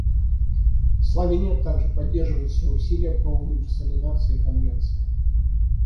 Словения также поддерживает все усилия по универсализации Конвенции.